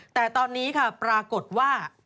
แต่ตอนนี้ค่ะปรากฏว่า